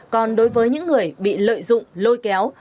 còn đối với những người bị lợi dụng lôi kéo